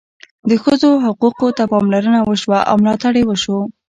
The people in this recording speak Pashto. د ښځو حقوقو ته پاملرنه وشوه او ملاتړ یې وشو.